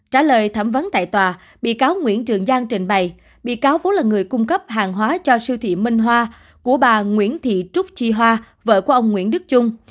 trả lời thẩm vấn tại tòa bị cáo nguyễn trường giang trình bày bị cáo vũ là người cung cấp hàng hóa cho siêu thị minh hoa của bà nguyễn thị trúc chi hoa vợ của ông nguyễn đức trung